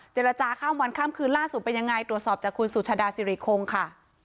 เจรจาข้ามวันข้ามคืนล่าสุดเป็นยังไงตรวจสอบจากคุณสุชาดาสิริคงค่ะ